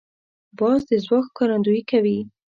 باز د ځواک ښکارندویي کوي